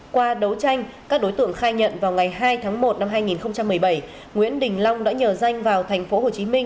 qua đấu tranh các đối tượng khai nhận vào ngày hai tháng một năm hai nghìn một mươi bảy nguyễn đình long đã nhờ danh vào thành phố hồ chí minh